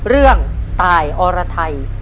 เรื่องตายอรไทย